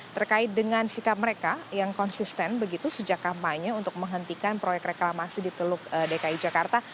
terkait dengan sikap mereka yang konsisten begitu sejak kampanye untuk menghentikan proyek reklamasi di teluk dki jakarta